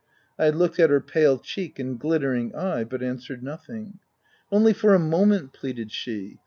I looked at her pale cheek and glittering eye, but answered nothing. " Only for a moment," pleaded she.